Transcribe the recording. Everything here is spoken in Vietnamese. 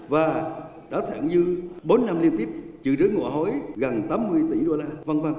và đạt thẳng dư bốn năm liên tiếp trừ đới ngộ hối gần tám mươi tỷ đô la v v